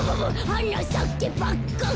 「はなさけパッカン」